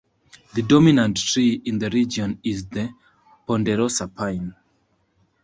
The dominant tree in the region is the ponderosa pine.